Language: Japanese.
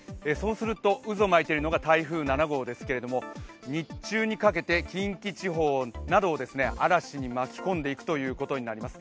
渦を巻いているのが台風７号ですけれども、日中にかけて近畿地方などを嵐に巻き込んでいくということになります